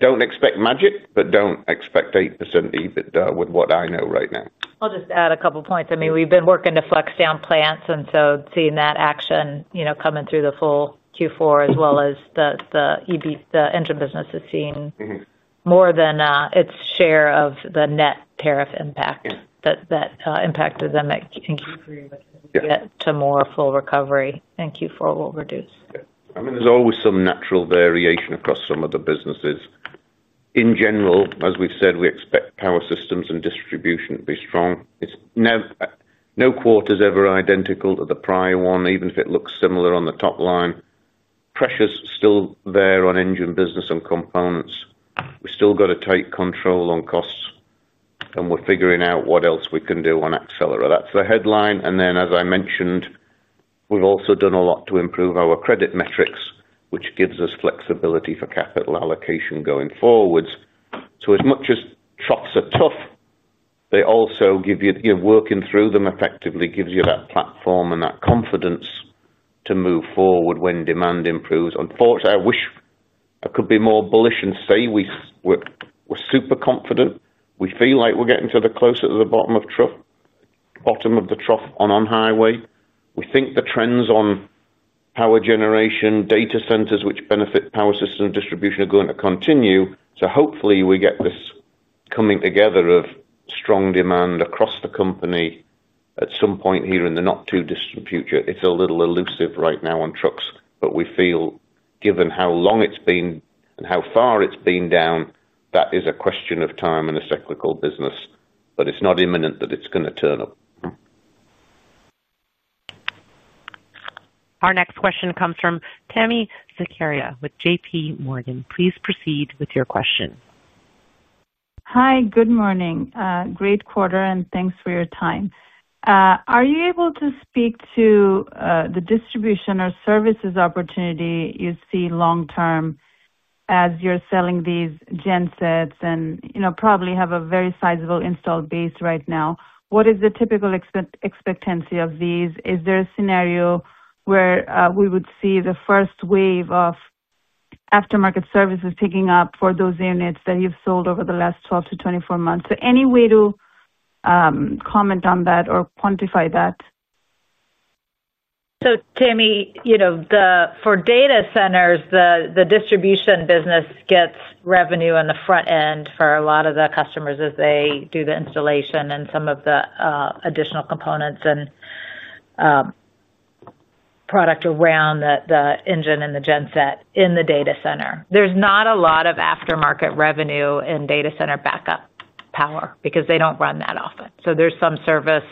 Don't expect magic, but don't expect 8% EBITDA with what I know right now. I'll just add a couple of points. I mean, we've been working to flex down plants, and seeing that action coming through the full Q4 as well as the engine business is seeing more than its share of the net tariff impact that impacted them and can get to more full recovery in Q4 will reduce. I mean, there's always some natural variation across some of the businesses. In general, as we've said, we expect power systems and distribution to be strong. No quarter is ever identical to the prior one, even if it looks similar on the top line. Pressure's still there on engine business and components. We've still got a tight control on costs, and we're figuring out what else we can do on Accelera. That's the headline. As I mentioned, we've also done a lot to improve our credit metrics, which gives us flexibility for capital allocation going forwards. As much as troughs are tough, they also give you working through them effectively gives you that platform and that confidence to move forward when demand improves. Unfortunately, I wish I could be more bullish and say we're super confident. We feel like we're getting closer to the bottom of the trough on highway. We think the trends on power generation, data centers, which benefit power system distribution, are going to continue. Hopefully we get this coming together of strong demand across the company at some point here in the not too distant future. It's a little elusive right now on trucks, but we feel, given how long it's been and how far it's been down, that it is a question of time in a cyclical business. It is not imminent that it's going to turn up. Our next question comes from Tami Zakaria with JPMorgan. Please proceed with your question. Hi, good morning. Great quarter, and thanks for your time. Are you able to speak to the distribution or services opportunity you see long-term as you're selling these gensets and probably have a very sizable installed base right now? What is the typical expectancy of these? Is there a scenario where we would see the first wave of aftermarket services picking up for those units that you've sold over the last 12 to 24 months? Any way to comment on that or quantify that? Tammy, for data centers, the distribution business gets revenue on the front end for a lot of the customers as they do the installation and some of the additional components and product around the engine and the genset in the data center. There's not a lot of aftermarket revenue in data center backup power because they do not run that often. There is some service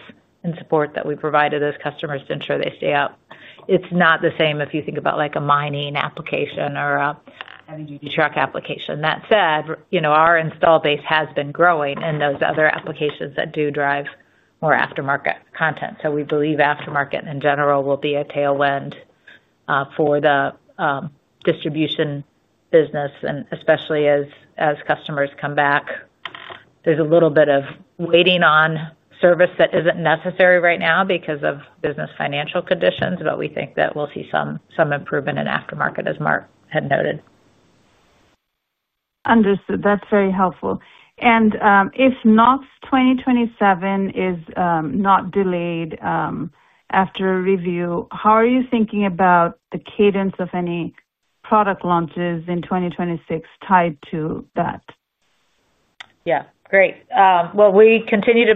and support that we provide to those customers to ensure they stay up. It's not the same if you think about a mining application or a heavy-duty truck application. That said, our install base has been growing in those other applications that do drive more aftermarket content. We believe aftermarket in general will be a tailwind for the distribution business, and especially as customers come back. There's a little bit of waiting on service that isn't necessary right now because of business financial conditions, but we think that we'll see some improvement in aftermarket, as Mark had noted. Understood. That's very helpful. If not, 2027 is not delayed. After review, how are you thinking about the cadence of any product launches in 2026 tied to that? Yeah. Great. We continue to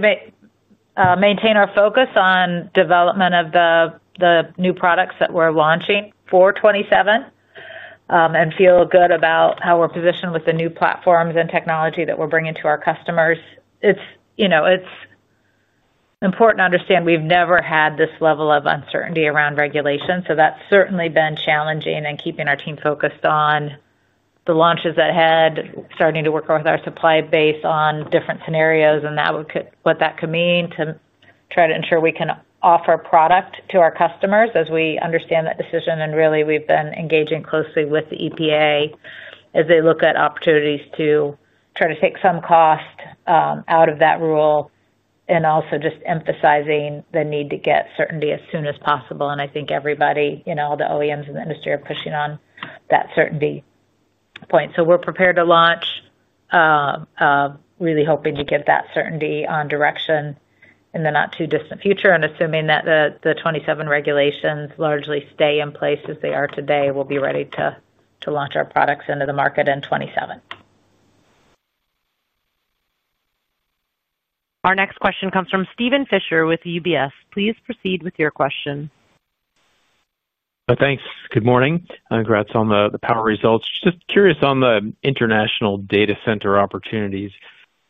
maintain our focus on development of the new products that we're launching for 2027. I feel good about how we're positioned with the new platforms and technology that we're bringing to our customers. It's important to understand we've never had this level of uncertainty around regulation. That's certainly been challenging and keeping our team focused on the launches ahead, starting to work with our supply base on different scenarios and what that could mean to try to ensure we can offer product to our customers as we understand that decision. Really, we've been engaging closely with the EPA as they look at opportunities to try to take some cost out of that rule and also just emphasizing the need to get certainty as soon as possible. I think everybody, all the OEMs in the industry, are pushing on that certainty point. We're prepared to launch, really hoping to get that certainty on direction in the not too distant future. Assuming that the 2027 regulations largely stay in place as they are today, we'll be ready to launch our products into the market in 2027. Our next question comes from Steven Fisher with UBS. Please proceed with your question. Thanks. Good morning. Congrats on the power results. Just curious on the international data center opportunities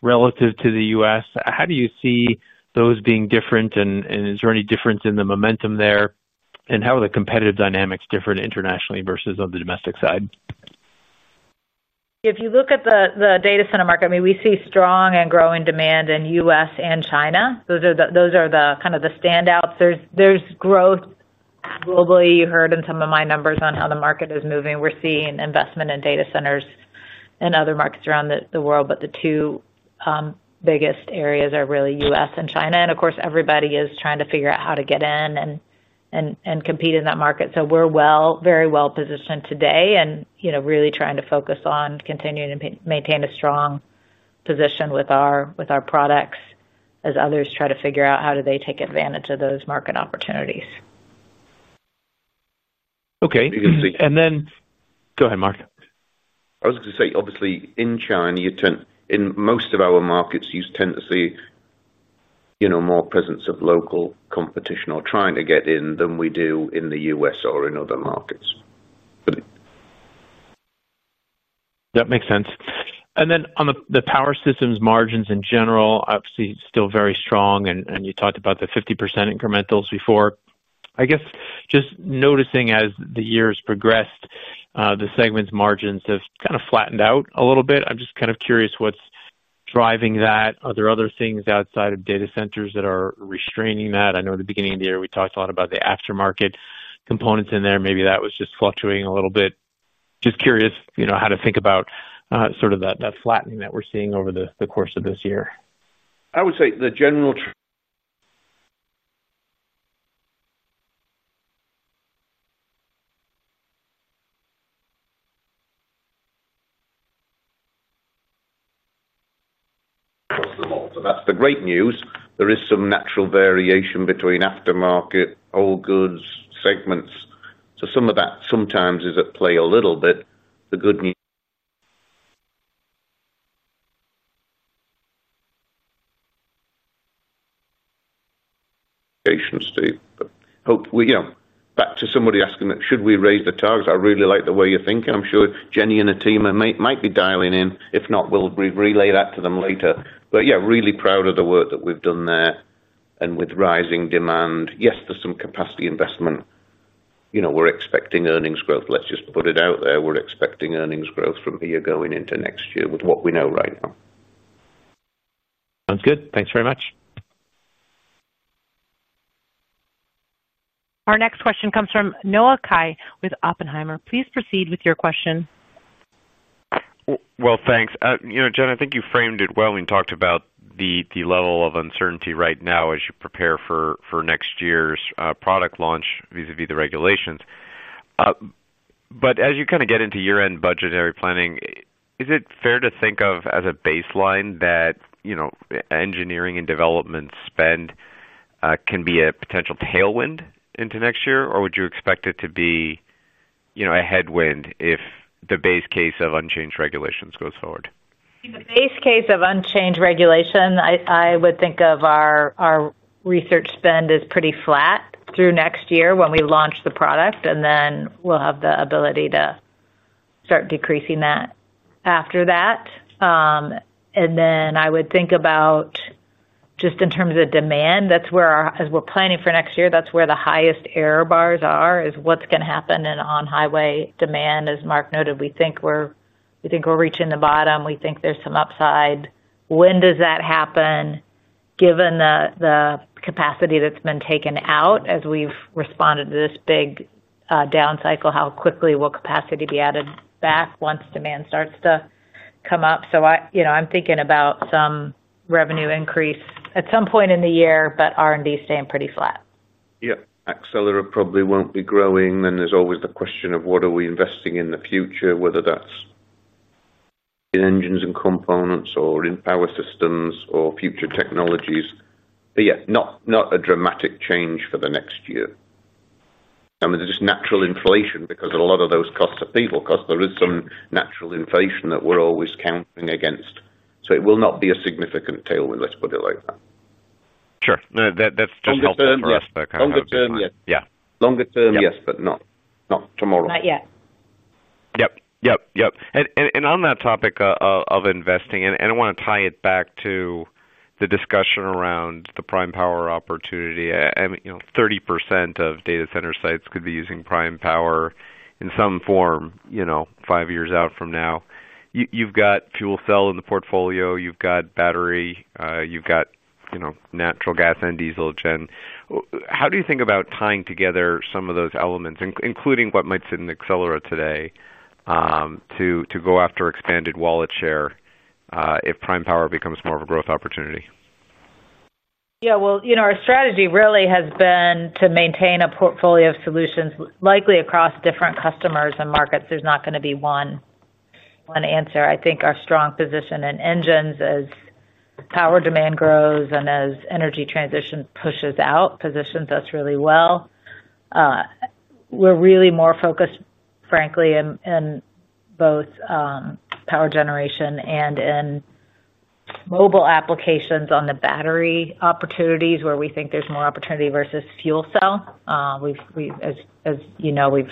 relative to the U.S. How do you see those being different? Is there any difference in the momentum there? How are the competitive dynamics different internationally versus on the domestic side? If you look at the data center market, I mean, we see strong and growing demand in the U.S. and China. Those are kind of the standouts. There is growth globally, you heard in some of my numbers on how the market is moving. We are seeing investment in data centers and other markets around the world, but the two biggest areas are really the U.S. and China. Of course, everybody is trying to figure out how to get in and compete in that market. We are very well positioned today and really trying to focus on continuing to maintain a strong position with our products as others try to figure out how do they take advantage of those market opportunities. Okay. And then, go ahead, Mark. I was going to say, obviously, in China, in most of our markets, you tend to see more presence of local competition or trying to get in than we do in the U.S. or in other markets. That makes sense. On the power systems margins in general, obviously, still very strong. You talked about the 50% incrementals before. I guess just noticing as the year has progressed, the segment's margins have kind of flattened out a little bit. I'm just kind of curious what's driving that. Are there other things outside of data centers that are restraining that? I know at the beginning of the year, we talked a lot about the aftermarket components in there. Maybe that was just fluctuating a little bit. Just curious how to think about sort of that flattening that we're seeing over the course of this year. I would say the general. That's the great news. There is some natural variation between aftermarket, old goods, segments. So some of that sometimes is at play a little bit. The good news. Station. But back to somebody asking that, should we raise the targets? I really like the way you're thinking. I'm sure Jenny and her team might be dialing in. If not, we'll relay that to them later. Yeah, really proud of the work that we've done there and with rising demand. Yes, there's some capacity investment. We're expecting earnings growth. Let's just put it out there. We're expecting earnings growth from here going into next year with what we know right now. Sounds good. Thanks very much. Our next question comes from Noah Kaye with Oppenheimer. Please proceed with your question. Thanks. Jen, I think you framed it well when you talked about the level of uncertainty right now as you prepare for next year's product launch vis-à-vis the regulations. As you kind of get into year-end budgetary planning, is it fair to think of as a baseline that engineering and development spend can be a potential tailwind into next year, or would you expect it to be a headwind if the base case of unchanged regulations goes forward? The base case of unchanged regulation, I would think of our research spend as pretty flat through next year when we launch the product, and then we'll have the ability to start decreasing that after that. I would think about, just in terms of demand, as we're planning for next year, that's where the highest error bars are, is what's going to happen in on-highway demand. As Mark noted, we think we're reaching the bottom. We think there's some upside. When does that happen? Given the capacity that's been taken out as we've responded to this big down cycle, how quickly will capacity be added back once demand starts to come up? I'm thinking about some revenue increase at some point in the year, but R&D staying pretty flat. Yeah. Accelera probably won't be growing. Then there's always the question of what are we investing in the future, whether that's in engines and components or in power systems or future technologies. Yeah, not a dramatic change for the next year. I mean, there's just natural inflation because a lot of those costs are people costs. There is some natural inflation that we're always counting against. It will not be a significant tailwind, let's put it like that. Sure. That's just helpful for us to kind of. Longer term, yes. Longer term, yes, but not tomorrow. Not yet. Yep. Yep. On that topic of investing, I want to tie it back to the discussion around the prime power opportunity. Thirty percent of data center sites could be using prime power in some form five years out from now. You have fuel cell in the portfolio, you have battery, you have natural gas and diesel gen. How do you think about tying together some of those elements, including what might sit in the Accelera today, to go after expanded wallet share if prime power becomes more of a growth opportunity? Yeah. Our strategy really has been to maintain a portfolio of solutions, likely across different customers and markets. There's not going to be one answer. I think our strong position in engines, as power demand grows and as energy transition pushes out, positions us really well. We're really more focused, frankly, in both power generation and in mobile applications on the battery opportunities where we think there's more opportunity versus fuel cell. As you know, we've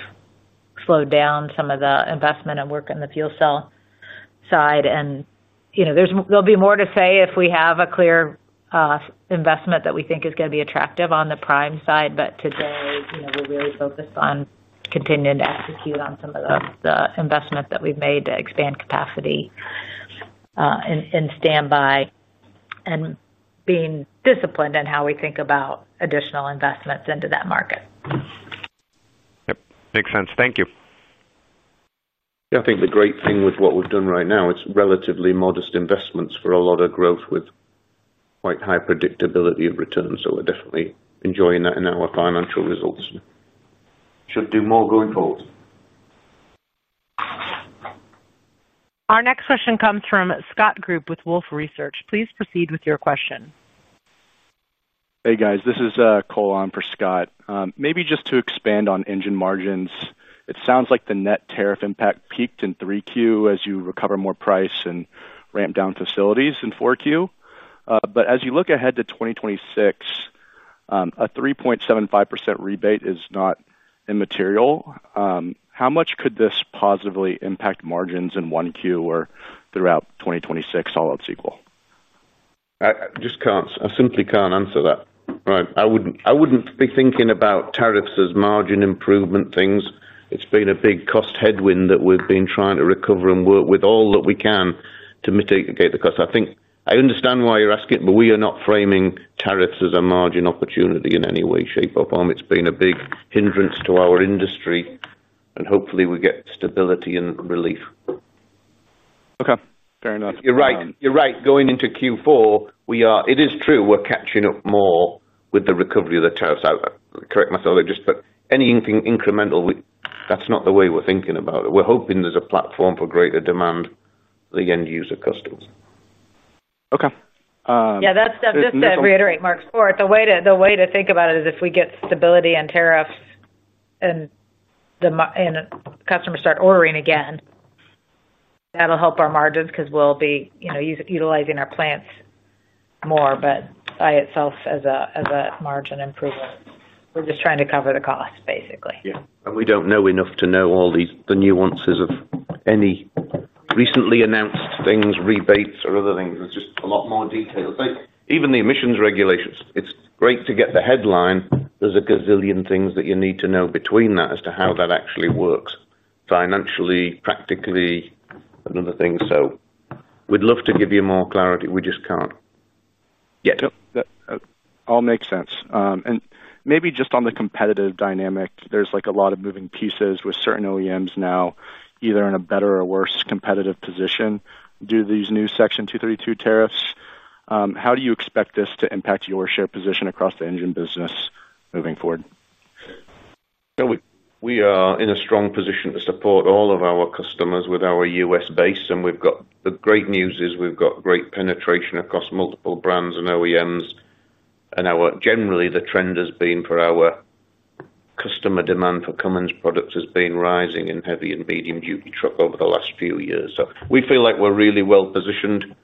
slowed down some of the investment and work on the fuel cell side. There'll be more to say if we have a clear investment that we think is going to be attractive on the prime side. Today, we're really focused on continuing to execute on some of the investment that we've made to expand capacity and standby, and being disciplined in how we think about additional investments into that market. Yep. Makes sense. Thank you. Yeah. I think the great thing with what we've done right now, it's relatively modest investments for a lot of growth with quite high predictability of returns. So we're definitely enjoying that in our financial results. Should do more going forward. Our next question comes from Scott Group with Wolfe Research. Please proceed with your question. Hey, guys. This is Cole on for Scott. Maybe just to expand on engine margins, it sounds like the net tariff impact peaked in Q3 as you recover more price and ramp down facilities in Q4. As you look ahead to 2026, a 3.75% rebate is not immaterial. How much could this positively impact margins in Q1 or throughout 2026 all else equal? I simply can't answer that. I wouldn't be thinking about tariffs as margin improvement things. It's been a big cost headwind that we've been trying to recover and work with all that we can to mitigate the cost. I understand why you're asking it, but we are not framing tariffs as a margin opportunity in any way, shape, or form. It's been a big hindrance to our industry. Hopefully, we get stability and relief. Okay. Fair enough. You're right. Going into Q4, it is true we're catching up more with the recovery of the tariffs. I correct myself. Any incremental, that's not the way we're thinking about it. We're hoping there's a platform for greater demand for the end user customers. Okay. Yeah. Just to reiterate, Mark, the way to think about it is if we get stability in tariffs and customers start ordering again, that'll help our margins because we'll be utilizing our plants more. By itself as a margin improvement, we're just trying to cover the cost, basically. Yeah. We do not know enough to know all the nuances of any recently announced things, rebates, or other things. It is just a lot more detailed. Even the emissions regulations, it is great to get the headline. There is a gazillion things that you need to know between that as to how that actually works. Financially, practically, and other things. We would love to give you more clarity. We just cannot. Yet. All makes sense. Maybe just on the competitive dynamic, there's a lot of moving pieces with certain OEMs now, either in a better or worse competitive position due to these new Section 232 tariffs. How do you expect this to impact your share position across the engine business moving forward? We are in a strong position to support all of our customers with our U.S. base. The great news is we've got great penetration across multiple brands and OEMs. Generally, the trend has been for our customer demand for Cummins products has been rising in heavy and medium-duty truck over the last few years. We feel like we're really well positioned.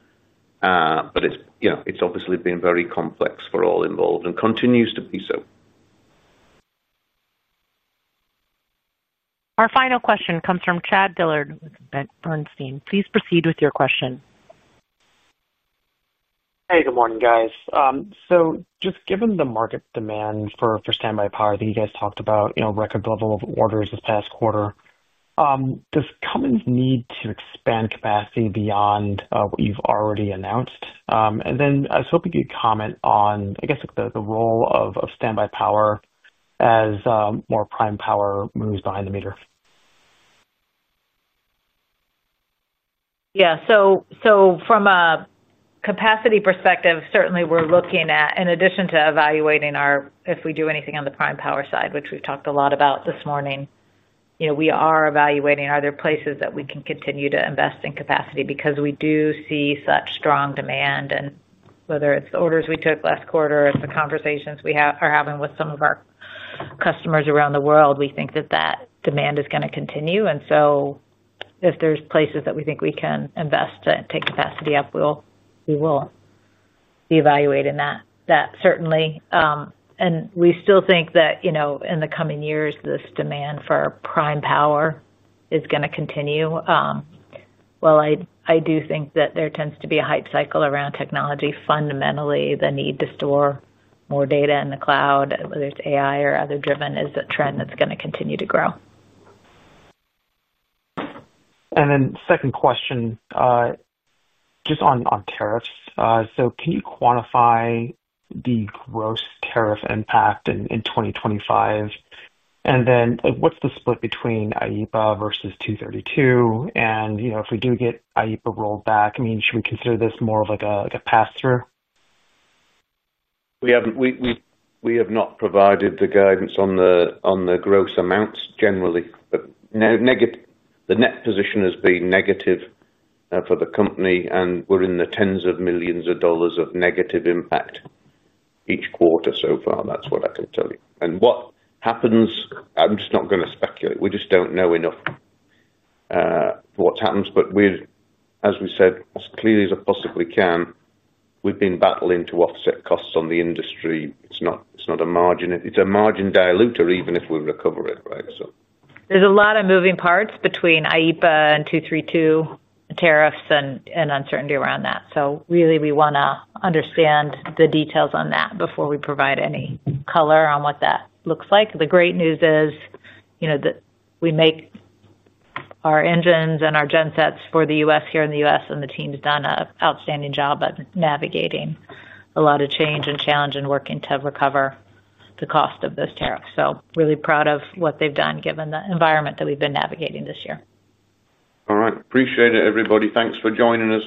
It has obviously been very complex for all involved and continues to be so. Our final question comes from Chad Dillard with Bernstein. Please proceed with your question. Hey, good morning, guys. Just given the market demand for standby power that you guys talked about, record level of orders this past quarter. Does Cummins need to expand capacity beyond what you've already announced? I was hoping you'd comment on, I guess, the role of standby power as more prime power moves behind the meter. Yeah. From a capacity perspective, certainly, we're looking at, in addition to evaluating if we do anything on the prime power side, which we've talked a lot about this morning, we are evaluating are there places that we can continue to invest in capacity because we do see such strong demand. Whether it's the orders we took last quarter or the conversations we are having with some of our customers around the world, we think that that demand is going to continue. If there's places that we think we can invest to take capacity up, we will. Be evaluating that, certainly. We still think that in the coming years, this demand for prime power is going to continue. I do think that there tends to be a hype cycle around technology. Fundamentally, the need to store more data in the cloud, whether it's AI or other-driven, is a trend that's going to continue to grow. Second question. Just on tariffs. Can you quantify the gross tariff impact in 2025? What's the split between AIPA versus Section 232? If we do get AIPA rolled back, should we consider this more of a pass-through? We have not provided the guidance on the gross amounts generally. The net position has been negative for the company, and we're in the tens of millions of dollars of negative impact each quarter so far. That's what I can tell you. What happens, I'm just not going to speculate. We just do not know enough what happens. As we said, as clearly as I possibly can, we've been battling to offset costs on the industry. It's not a margin. It's a margin diluter, even if we recover it, right? There's a lot of moving parts between AIPA and 232 tariffs and uncertainty around that. Really, we want to understand the details on that before we provide any color on what that looks like. The great news is that we make our engines and our gensets for the U.S. here in the U.S., and the team's done an outstanding job of navigating a lot of change and challenge and working to recover the cost of those tariffs. Really proud of what they've done given the environment that we've been navigating this year. All right. Appreciate it, everybody. Thanks for joining us.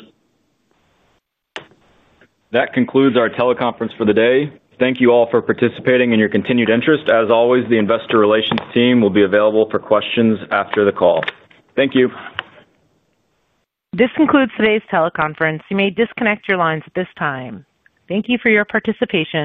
That concludes our teleconference for the day. Thank you all for participating and your continued interest. As always, the investor relations team will be available for questions after the call. Thank you. This concludes today's teleconference. You may disconnect your lines at this time. Thank you for your participation.